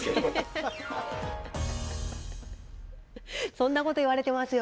そんなこと言われてますよ。